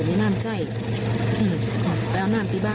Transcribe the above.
ผมจะบอกว่า